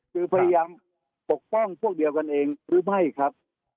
คือพยายามปกป้องพวกเดียวกันเองหรือไม่ครับ